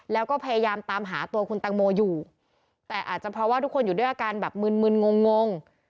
แล้วก็พยายามตามหาตัวคุณตังโมอยู่แต่อาจจะเพราะว่าทุกคนอยู่ด้วยอาการแบบมึนมึนงงง